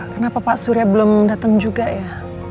kenapa pak surya belum datang juga ya